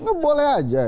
nggak boleh aja